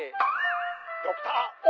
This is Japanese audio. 「ドクターＯ！」